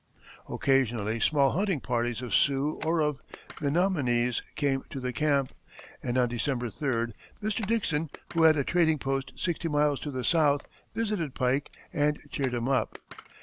Occasionally small hunting parties of Sioux or of Menominees came to the camp, and on December 3d Mr. Dickson, who had a trading post sixty miles to the south, visited Pike and cheered him up.